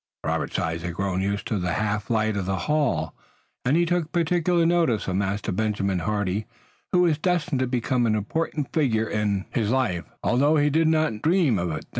Robert's eyes had grown used to the half light of the hall, and he took particular notice of Master Benjamin Hardy who was destined to become an important figure in his life, although he did not then dream of it.